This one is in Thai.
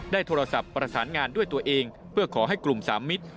โทรศัพท์ประสานงานด้วยตัวเองเพื่อขอให้กลุ่มสามมิตร